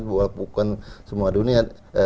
bukan semua dunia